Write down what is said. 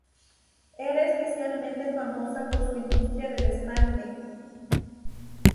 Era especialmente famosa por su industria del esmalte.